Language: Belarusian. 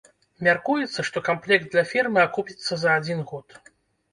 Мяркуецца, што камплект для фермы акупіцца за адзін год.